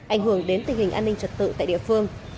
ảnh hưởng đến tình hình an ninh trật tự tại địa phương